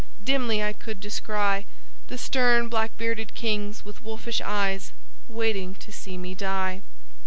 Dimly I could descry The stern black bearded kings, with wolfish eyes, Waiting to see me die.